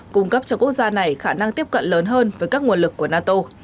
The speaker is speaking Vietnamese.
cung cấp cho quốc gia này khả năng tiếp cận lớn hơn với các nguồn lực của nato